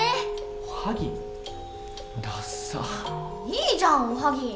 いいじゃんおはぎ。